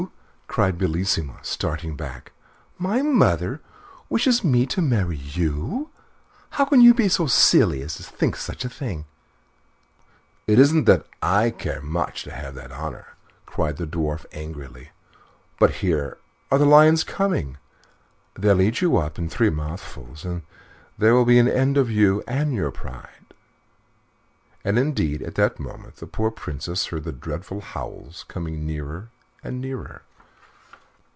cried Bellissima, starting back. "My mother wishes me to marry you! How can you be so silly as to think of such a thing?" "Oh! it isn't that I care much to have that honor," cried the Dwarf angrily; "but here are the lions coming; they'll eat you up in three mouthfuls, and there will be an end of you and your pride." And, indeed, at that moment the poor Princess heard their dreadful howls coming nearer and nearer.